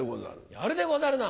やるでござるな。